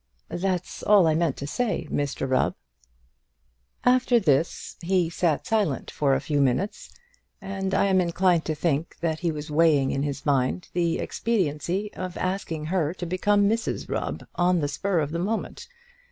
"That's all I meant to say, Mr Rubb." After this he sat silent for a few minutes, and I am inclined to think that he was weighing in his mind the expediency of asking her to become Mrs Rubb, on the spur of the moment.